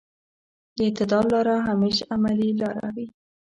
د اعتدال لاره همېش عملي لاره وي.